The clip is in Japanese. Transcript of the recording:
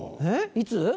いつ？